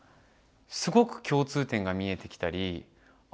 すごく共通点が見えてきたりあ